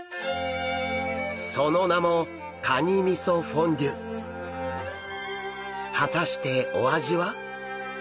その名も果たしてお味は？